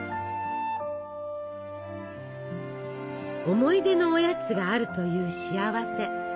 思い出のおやつがあるという幸せ。